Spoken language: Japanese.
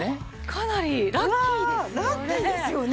かなりラッキーですね。